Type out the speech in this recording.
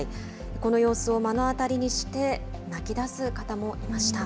この様子を目の当たりにして泣きだす方もいました。